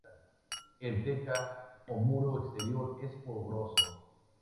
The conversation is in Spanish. El teca, o muro exterior, es poroso.